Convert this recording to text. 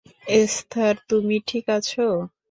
Esther, তুমি ঠিক আছো?